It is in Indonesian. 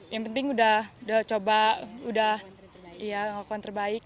yang penting udah coba udah ngelakukan terbaik